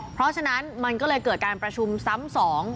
เพราะฉะนั้นมันก็เลยเกิดการประชุมซ้ำสอง